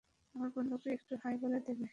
আমার বন্ধুকে একটু হাই বলে দেবে?